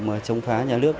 mà chống phá nhà nước